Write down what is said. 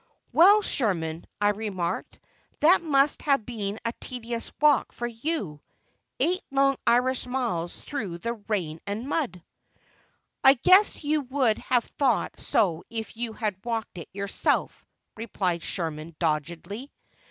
"Well, Sherman," I remarked, "that must have been a tedious walk for you, eight long Irish miles through the rain and mud." "I guess you would have thought so if you had walked it yourself," replied Sherman, doggedly.